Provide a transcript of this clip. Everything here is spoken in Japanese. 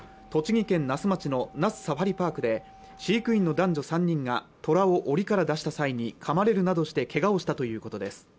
栃木県那須町の那須サファリパークで飼育員の男女３人がトラを檻から出した際にかまれるなどしてけがをしたということです